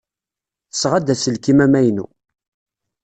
Tesɣa-d aselkim amaynu.